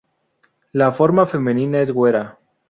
La forma femenina es güera.